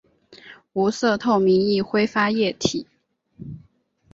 无色透明易挥发液体。